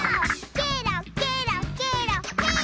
ケロケロケロヘイ！